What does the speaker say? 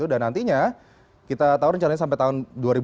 dan nantinya kita tahu rencananya sampai tahun dua ribu dua puluh empat